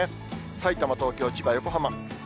さいたま、東京、千葉、横浜。